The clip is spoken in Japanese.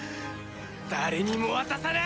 誰にも渡さない！